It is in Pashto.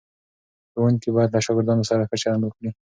ښوونکي باید له شاګردانو سره ښه چلند وکړي.